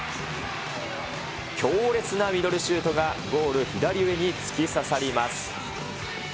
強烈なミドルシュートがゴール左上に突き刺さります。